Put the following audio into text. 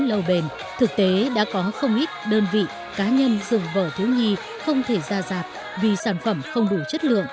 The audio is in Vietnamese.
lâu bền thực tế đã có không ít đơn vị cá nhân dùng vở thiếu nhi không thể ra rạp vì sản phẩm không đủ